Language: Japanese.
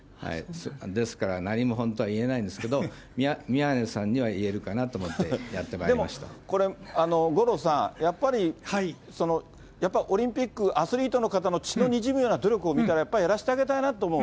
ですから、何も本当は言えないんですけれども、宮根さんには言えるかなと思でもこれ、五郎さん、やっぱり、やっぱりオリンピック、アスリートの方の血のにじむような努力を見たら、やらせてあげたいなと思う。